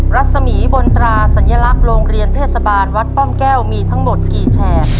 รัศมีบนตราสัญลักษณ์โรงเรียนเทศบาลวัดป้อมแก้วมีทั้งหมดกี่แฉก